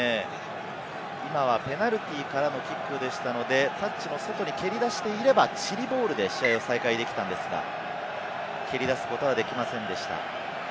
今はペナルティーからのキックでしたので、タッチの外に蹴り出していれば、チリボールで試合を再開できたんですが、蹴り出すことはできませんでした。